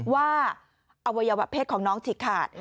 ว่าอโวยบัติเพชรของน้องชิกขาด